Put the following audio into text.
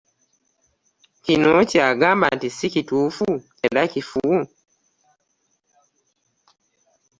Kino ky'agamba nti si kituufu era kifu